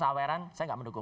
saweran saya tidak mendukung